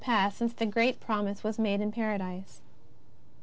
39 passed since the Great Promise was macje in Paradise.